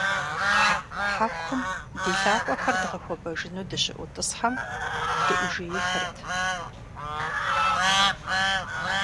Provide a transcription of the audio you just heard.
Хьэкум ди лъакъуэхэр дгъэхуэбэжыну дыщыӏутӀысхьэм, дыӏужеихьырт.